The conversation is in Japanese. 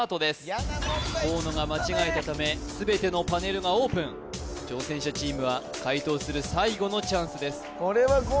嫌な問題作ったね河野が間違えたため全てのパネルがオープン挑戦者チームは解答する最後のチャンスです